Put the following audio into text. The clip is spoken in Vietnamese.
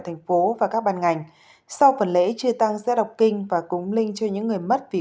thành phố và các ban ngành sau phần lễ chia tăng rẽ đọc kinh và cúng linh cho những người mất vì